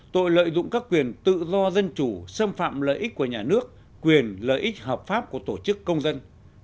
tội lợi dụng các quyền tự do dân chủ xâm phạm lợi ích của nhà nước quyền lợi ích hợp pháp của tổ chức công dân